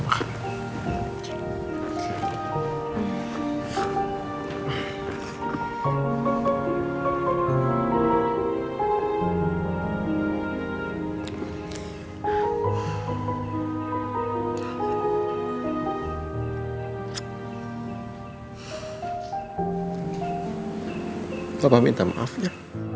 bapak minta maaf ya